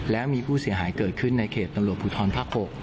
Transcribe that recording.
แล้วมีผู้เสียหายเกิดขึ้นในเขตตำรวจภูทรภาค๖